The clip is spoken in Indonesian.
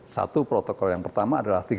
satu protokol yang pertama adalah tiga t